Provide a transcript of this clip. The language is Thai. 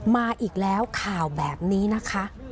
มาอีกแล้วข่าวแบบนี้นะคะ